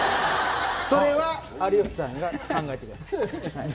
それは有吉さんが考えてください。